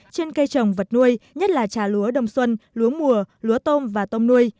trên cây trồng vật nuôi nhất là trà lúa đồng xuân lúa mùa lúa tôm và tôm nuôi